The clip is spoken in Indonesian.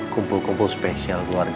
kumpul kumpul spesial keluarga kita aja